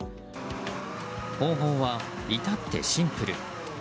方法はいたってシンプル。